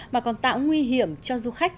mà còn tạo nguy hiểm cho du khách